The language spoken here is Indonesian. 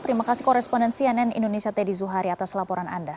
terima kasih koresponden cnn indonesia teddy zuhari atas laporan anda